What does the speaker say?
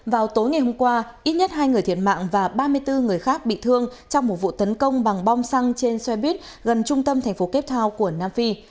vào tối ngày hôm qua ít nhất hai người thiệt mạng và ba mươi bốn người khác bị thương trong một vụ tấn công bằng bom xăng trên xe buýt gần trung tâm tp captow của nam phi